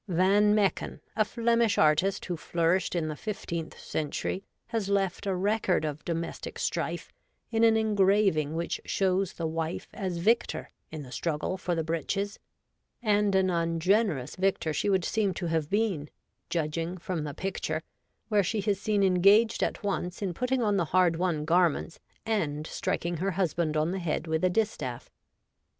Van Mecken, a Flemish artist who flourished in the fifteenth century, has left a record of domestic DOMESTIC STRIFE. 119 Strife in an engraving which shows the wife as victor in the struggle for the breeches ; and an ungenerous victor she would seem to have been, judging from the picture, where she is seen engaged at once in putting on the hard won garments and striking her A Judicial Duel. \^Froin an old German MS.] husband on the head with a distaff.